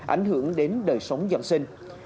ảnh hưởng đến đời sống dân sinh